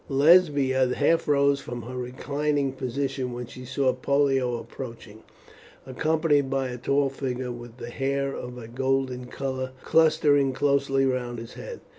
Lesbia half rose from her reclining position when she saw Pollio approaching, accompanied by a tall figure with hair of a golden colour clustering closely round his head.